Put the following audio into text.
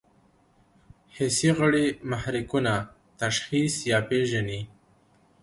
حسي غړي محرکونه تشخیص یا پېژني.